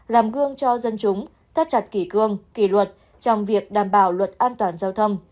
làm gương cho dân chúng thắt chặt kỷ cương kỷ luật trong việc đảm bảo luật an toàn giao thông